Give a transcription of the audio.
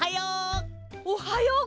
おはよう！